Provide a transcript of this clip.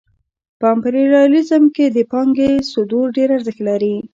په امپریالیزم کې د پانګې صدور ډېر ارزښت لري